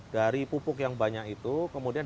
dari pupuk yang banyak itu kemudian